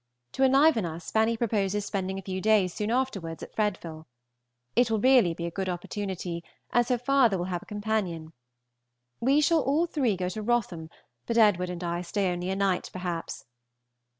To enliven us, Fanny proposes spending a few days soon afterwards at Fredville. It will really be a good opportunity, as her father will have a companion. We shall all three go to Wrotham, but Edwd. and I stay only a night perhaps.